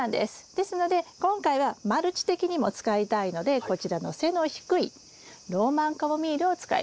ですので今回はマルチ的にも使いたいのでこちらの背の低いローマンカモミールを使います。